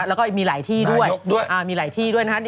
แล้วก็มีหลายที่ด้วยมีหลายที่ด้วยนะครับ